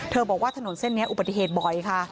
บอกว่าถนนเส้นนี้อุบัติเหตุบ่อยค่ะ